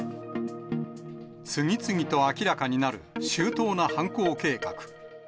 次々と明らかになる周到な犯行計画。